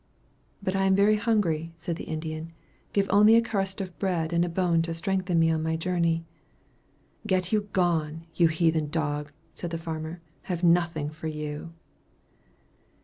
"But I am very hungry," said the Indian; "give only a crust of bread and a bone to strengthen me on my journey." "Get you gone, you heathen dog," said the farmer; "I have nothing for you."